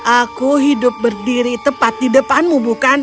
aku hidup berdiri tepat di depanmu bukan